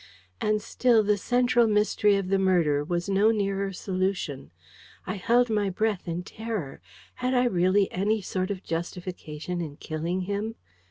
And still, the central mystery of the murder was no nearer solution. I held my breath in terror. Had I really any sort of justification in killing him?